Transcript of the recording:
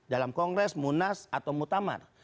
dalam kongres munas atau mutamar